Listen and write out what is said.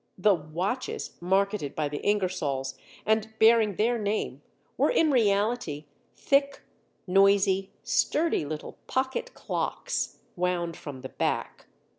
The "watches" marketed by the Ingersolls and bearing their name were in reality thick, noisy, sturdy little pocket clocks, wound from the back.